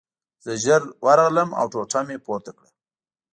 زه ژر ورغلم او ټوټه مې پورته کړه